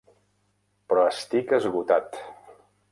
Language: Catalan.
Però estic esgotat.